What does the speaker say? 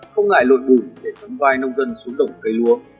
không ngại lội bùn để sắm vai nông dân xuống đồng cây lúa